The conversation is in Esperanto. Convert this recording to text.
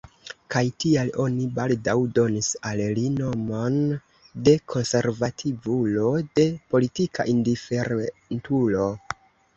Kaj tial oni baldaŭ donis al li nomon de konservativulo, de politika indiferentulo.